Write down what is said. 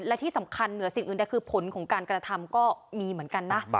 และที่สำคัญเหนือสิ่งอื่นใดคือผลของการกระทำก็มีเหมือนกันนะ